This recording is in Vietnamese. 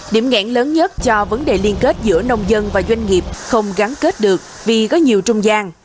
điểm nghẹn lớn nhất cho vấn đề liên kết giữa nông dân và doanh nghiệp không gắn kết được vì có nhiều trung gian